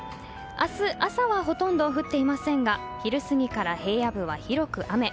明日朝はほとんど降っていませんが昼過ぎから平野部は広く雨。